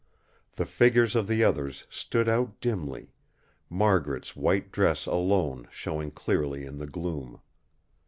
The figures of the others stood out dimly, Margaret's white dress alone showing clearly in the gloom.